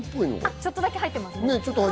ちょっとだけ入ってますね。